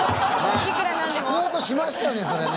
聞こうとしましたよねそれね。